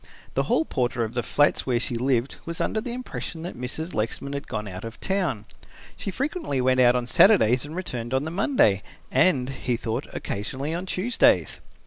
The hall porter of the flats where she lived was under the impression that Mrs. Lexman had gone out of town. She frequently went out on Saturdays and returned on the Monday and, he thought, occasionally on Tuesdays.